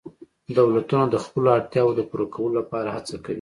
دولتونه د خپلو اړتیاوو د پوره کولو لپاره هڅه کوي